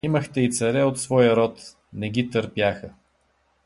Имахте и царе от своя род — не ги търпяха.